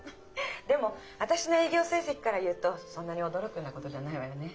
でも私の営業成績から言うとそんなに驚くようなことじゃないわよね。